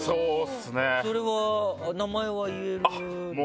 それは名前は言える？